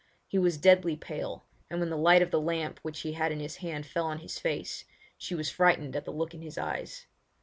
He was deadly pale, and when the light of the lamp which he had in his hand fell on his face, she was frightened at the look in his eyes.